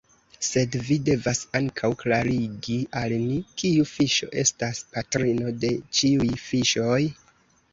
Sed vi devas ankaŭ klarigi al ni: kiu fiŝo estas patrino de ĉiuj fiŝoj?